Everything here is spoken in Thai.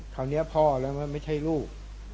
คราวนี้พ่อแล้วมันไม่ใช่ลูก